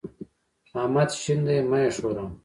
احمد شين دی؛ مه يې ښوروه.